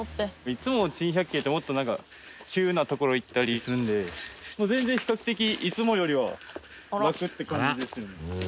いつも『珍百景』ってもっと急な所行ったりするんで全然比較的いつもよりはラクって感じですね。